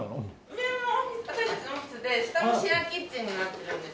上が私たちのオフィスで下がシェアキッチンになってるんです。